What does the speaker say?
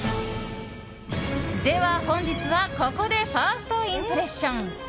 では、本日はここでファーストインプレッション。